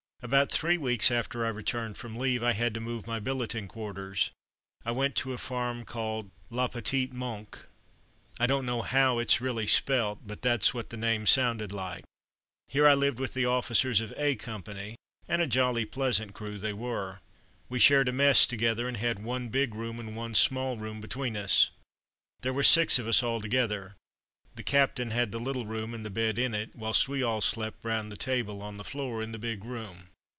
About three weeks after I returned from leave, I had to move my billeting quarters. I went to a farm called "La petite Monque"; I don't know how it's really spelt, but that's what the name sounded like. Here I lived with the officers of A Company, and a jolly pleasant crew they were. We shared a mess together, and had one big room and one small room between us. There were six of us altogether. The Captain had the little room and the bed in it, whilst we all slept round the table on the floor in the big room.